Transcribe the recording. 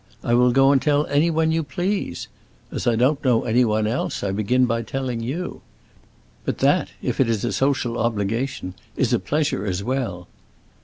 I will go and tell anyone you please. As I don't know anyone else, I begin by telling you. But that, if it is a social obligation, is a pleasure as well."